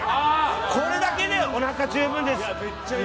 これだけでおなか十分です。